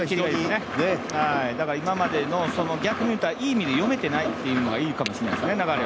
だから今までの逆にいったら、いい意味で流れを読めていないっていうのはいいかもしれないですね。